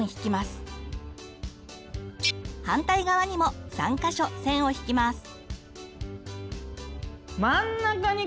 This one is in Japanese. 反対側にも３か所線を引きます。